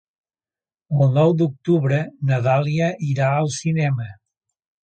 El nou d'octubre na Dàlia irà al cinema.